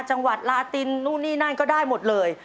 จังหวัดลาตินนู่นนี่นั่นก็ได้หมดเลย